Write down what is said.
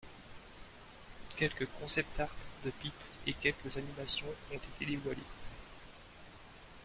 Quelques concept art de Pit et quelques animations ont été dévoilés.